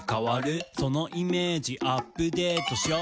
「そのイメージアップデートしよう」